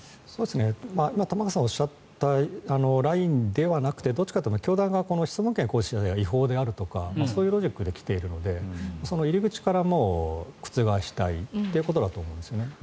玉川さんがおっしゃったラインではなくてどっちかというと教団の質問権行使が違法であるとかそういうロジックで来ているのでその入り口から覆したいということだと思うんですね。